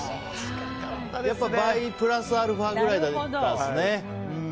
やっぱり倍、プラスアルファくらいだったんですね。